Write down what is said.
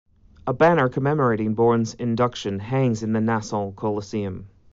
A banner commemorating Bourne's induction hangs in the Nassau Coliseum.